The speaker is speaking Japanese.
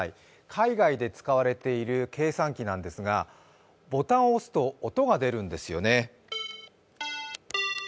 海外で使われている計算機なんですが、ボタンを押すと音が出るんですよね。